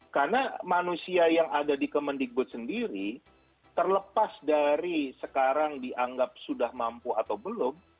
karena manusia yang ada di kemendik putri sendiri terlepas dari sekarang dianggap sudah mampu atau belum